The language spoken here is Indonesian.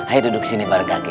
ayo duduk sini bareng kakek ya